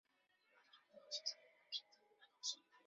在晚年也使用复写纸。